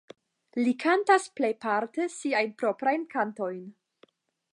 Li kantas plejparte siajn proprajn kantojn.